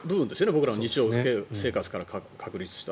僕らの日常生活から確立された。